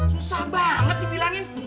susah banget dibilangin